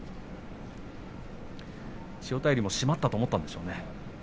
千代大龍も、しまったと思ったんでしょうね。